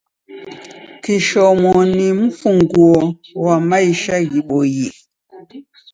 Kishomo ni mfunguo ghwa maisha ghiboie.